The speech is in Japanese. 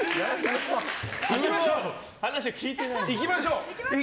いきましょう。